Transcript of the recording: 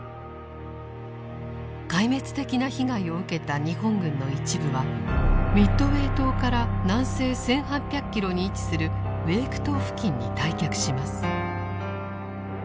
壊滅的な被害を受けた日本軍の一部はミッドウェー島から南西１８００キロに位置するウェーク島付近に退却します。